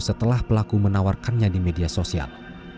setelah pelaku menawarkannya di media sosial